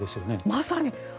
まさに。